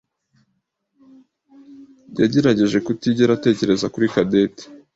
yagerageje kutigera atekereza kuri Cadette.